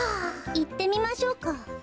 いってみましょうか。